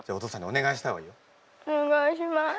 お願いします。